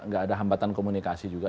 gak ada hambatan komunikasi juga